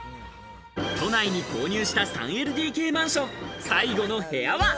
都内に購入した３ＬＤＫマンション、最後の部屋は。